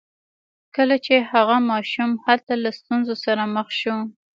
کله چې هغه ماشوم هلته له ستونزو سره مخ شو